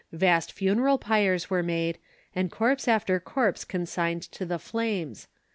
Vast funeral pyres were made and corpse after corpse consigned to the flames.